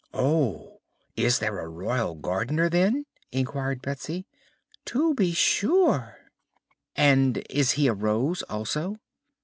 "Oh! Is there a Royal Gardener, then?" inquired Betsy. "To be sure." "And is he a Rose, also?"